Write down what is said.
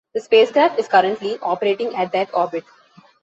The spacecraft is currently operating at that orbit.